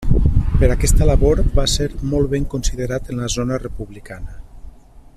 Per aquesta labor va ser molt ben considerat en la zona republicana.